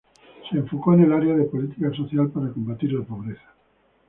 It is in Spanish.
Se enfocó en el área de política social para combatir la pobreza.